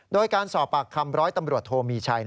โดยการสอบปากคำร้อยตำรวจโทมีชัย